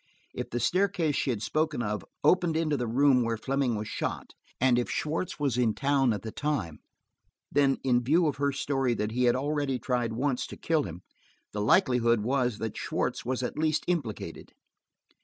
If the staircase she had spoken of opened into the room where Fleming was shot, and if Schwartz was in town at the time, then, in view of her story that he had already tried once to kill him, the likelihood was that Schwartz was at least implicated.